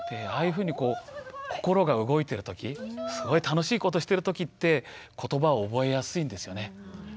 ああいうふうに心が動いてるときすごい楽しいことしてるときってことばを覚えやすいんですよね。